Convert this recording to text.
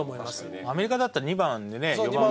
アメリカだったら２番でね。